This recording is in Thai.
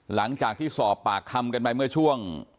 หลังจากที่สอบปากคำกันไปเมื่อช่วง